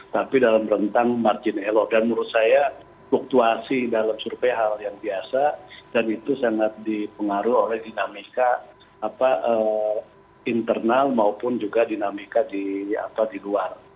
tapi dalam rentang margin elok dan menurut saya fluktuasi dalam survei hal yang biasa dan itu sangat dipengaruhi oleh dinamika internal maupun juga dinamika di luar